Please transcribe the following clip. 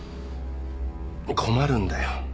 困るんだよ。